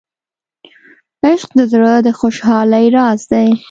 عشق د زړه د خوشحالۍ راز دی.